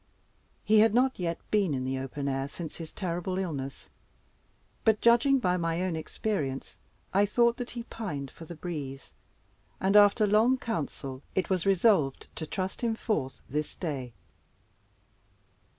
He had not yet been in the open air since his terrible illness, but, judging by my own experience, I thought that he pined for the breeze, and, after long council, it was resolved to trust him forth this day.